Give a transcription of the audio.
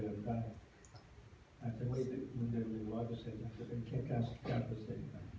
อาจจะไม่ได้เหมือนเดิมหรือ๑๐๐อาจจะเป็นแค่๙๙ครับ